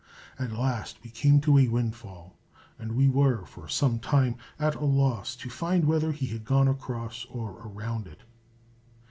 At last we came to a windfall, and we were for some time at a loss to find whether he had gone across or around it.